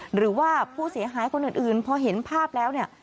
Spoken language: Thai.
หรือว่าผู้เสียหายคนอื่นพอเห็นภาพแล้วเนี่ย